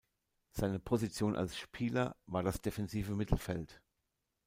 Seine Position als Spieler war das defensive Mittelfeld.